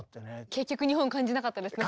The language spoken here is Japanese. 結局日本感じなかったですね